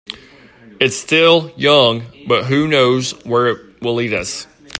It's still young, but who knows where it will lead us.